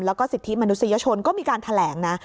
แล้วก็สิทธิมนุษยชนก็มีการแถลงนะ